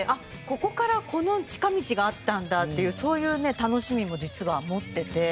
ここからこの近道があったんだっていうそういうね楽しみも実は持ってて。